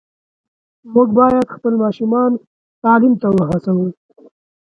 موږ باید خپل ماشومان تعلیم ته وهڅوو.